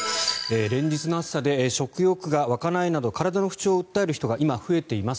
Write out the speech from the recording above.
連日の暑さで食欲が湧かないなど体の不調を訴える人が今増えています。